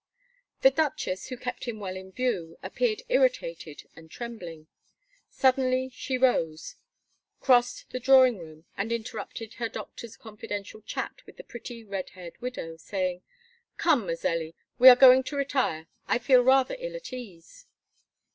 The Duchess, who kept him well in view, appeared irritated and trembling. Suddenly she rose, crossed the drawing room, and interrupted her doctor's confidential chat with the pretty red haired widow, saying: "Come, Mazelli, we are going to retire. I feel rather ill at ease."